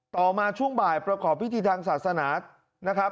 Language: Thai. ต่อมาช่วงบ่ายประกอบพิธีทางศาสนานะครับ